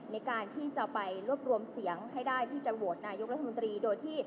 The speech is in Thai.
ในการที่จะไปรวบรวมเสียงให้ได้ที่จะโหวตนายกรัฐมนตรีโดยที่